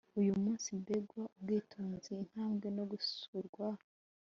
Uyu munsi mbega ubwitonzi intambwe no gusurwa